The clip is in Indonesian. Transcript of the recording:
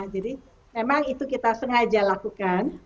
memang itu kita sengaja lakukan